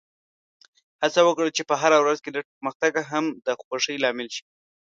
هڅه وکړه چې په هره ورځ کې لږ پرمختګ هم د خوښۍ لامل شي.